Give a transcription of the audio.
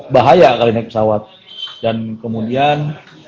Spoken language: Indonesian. bahaya kalau naik pesawat dan kemudian